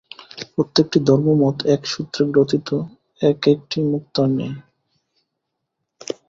প্রত্যেকটি ধর্মমত একসূত্রে গ্রথিত এক একটি মুক্তার ন্যায়।